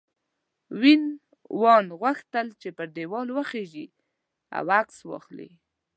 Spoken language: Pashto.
وین وون غوښتل پر دیوال وخیژي او عکس واخلي.